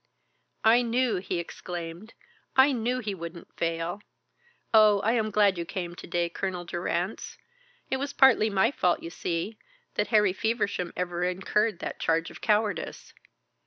"I knew," he exclaimed, "I knew he wouldn't fail. Oh, I am glad you came to day, Colonel Durrance. It was partly my fault, you see, that Harry Feversham ever incurred that charge of cowardice.